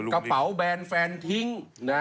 กระเป๋าแบนแฟนทิ้ง